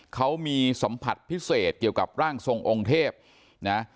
เขามีสัมผัสพิเศษเกี่ยวกับร่างทรงองค์เทพนะ